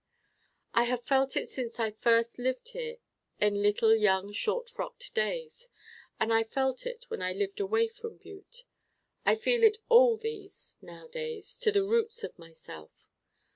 I have felt it since I first lived here in little young short frocked days, and I felt it when I lived away from Butte: I feel it all these now days to the roots of myself.